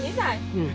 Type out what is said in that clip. うん。